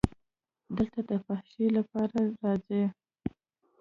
دلته د فحاشۍ لپاره راځي.